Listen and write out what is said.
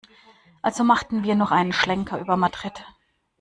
Also machten wir noch einen Schlenker über Madrid.